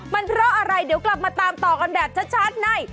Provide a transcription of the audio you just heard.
มันเพราะอะไรเดี๋ยวกลับมาตามต่อกันแบบชัดใน